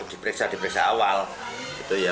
dipresa dipresa awal itu ya